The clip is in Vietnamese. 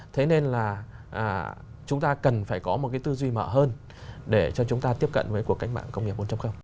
thế nên là chúng ta cần phải có một cái tư duy mở hơn để cho chúng ta tiếp cận với cuộc cách mạng công nghiệp bốn